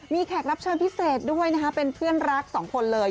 มีแขกรับเชิญพิเศษด้วยนะคะเป็นเพื่อนรักสองคนเลย